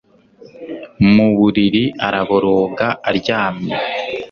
Mu buriri araboroga aryamye